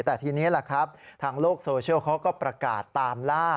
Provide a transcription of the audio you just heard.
แต่ทีนี้แหละครับทางโลกโซเชียลเขาก็ประกาศตามล่า